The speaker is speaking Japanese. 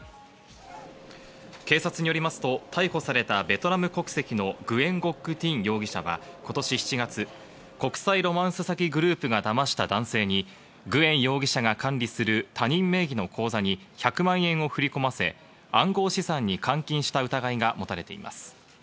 警察によりますと逮捕されたベトナム国籍のグエン・ゴック・ティン容疑者は今年７月、国際ロマンス詐欺グループがだました男性にグエン容疑者が管理する他人名義の口座に１００万円を振り込ませ、暗号資産に換金した疑いが持たれています。